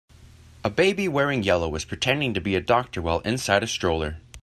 A baby wearing yellow is pretending to be a doctor while inside a stroller.